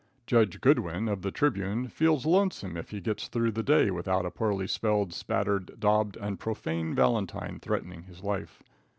Judge Goodwin, of the Tribune, feels lonesome if he gets through the day without a poorly spelled, spattered, daubed and profane valentine threatening his life.